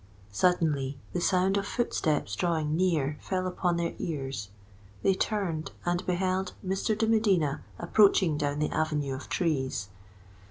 Suddenly the sound of footsteps drawing near fell upon their ears: they turned, and beheld Mr. de Medina approaching down the avenue of trees.